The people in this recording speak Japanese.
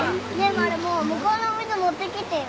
マルモ向こうのお水持ってきてよ。